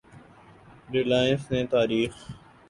Reliance نے تاریخ